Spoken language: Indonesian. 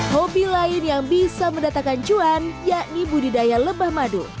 hobi lain yang bisa mendatakan cuan yakni budidaya lebah madu